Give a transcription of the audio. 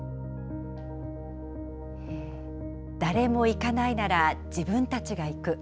誰も行かないなら、自分たちが行く。